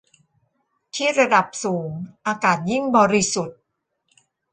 ที่ ระดับสูงอากาศยิ่งบริสุทธิ์